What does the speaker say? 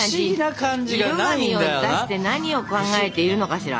色紙を出して何を考えているのかしら？